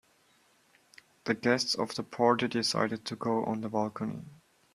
The guests of the party decided to go on the balcony.